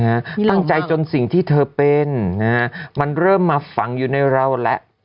ตั้งใจจนสิ่งที่เธอเป็นนะฮะมันเริ่มมาฝังอยู่ในเราแล้ว